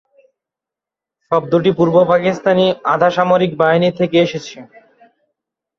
শব্দটি পূর্ব পাকিস্তানি আধাসামরিক বাহিনী থেকে এসেছে।